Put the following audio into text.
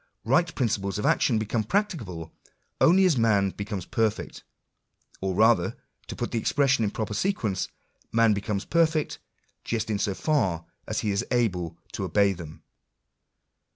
Bight principles of action become practicable, only as man becomes perfect; or rather, to put the expressions in proper sequence — man becomes perfect, just in so far as he is able to obey them.